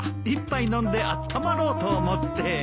一杯飲んであったまろうと思って。